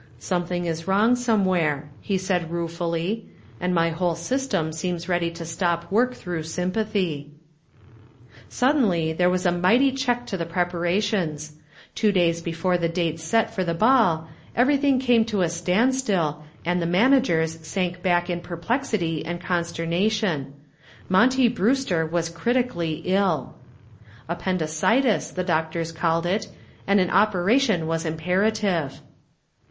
"Something is wrong somewhere," he said, ruefully, "and my whole system seems ready to stop work through sympathy." Suddenly there was a mighty check to the preparations. Two days before the date set for the ball everything came to a standstill and the managers sank back in perplexity and consternation. Monty Brewster was critically ill. Appendicitis, the doctors called it, and an operation was imperative.